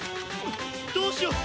どうしよう？